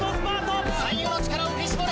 最後の力を振り絞れ！